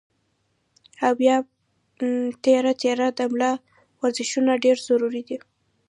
او بيا پۀ تېره تېره د ملا ورزشونه ډېر ضروري دي